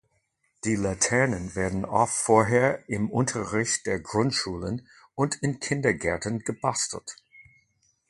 Die Laternen werden oft vorher im Unterricht der Grundschulen und in Kindergärten gebastelt.